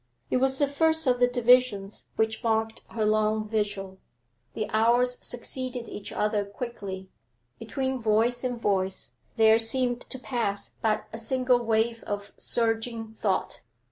It was the first of the divisions which marked her long vigil; the hours succeeded each other quickly; between voice and voice there seemed to pass but a single wave of surging thought.